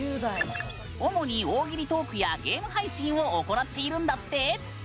主に大喜利トークやゲーム配信を行っているんだって。